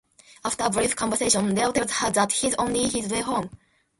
After a brief conversation, Leo tells her that he's on his way home.